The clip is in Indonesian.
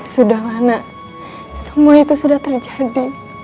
sudahlah nak semua itu sudah terjadi